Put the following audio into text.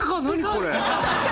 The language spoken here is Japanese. これ。